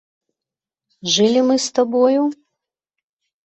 Жылі мы з табою?